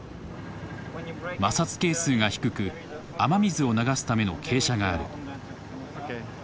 摩擦係数が低く雨水を流すための傾斜がある。